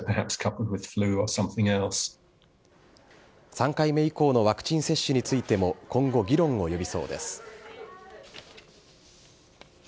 ３回目以降のワクチン接種についても、今後、議論を呼びそうです。